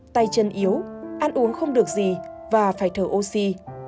tay chân yếu ăn uống không được gì và phải thở oxy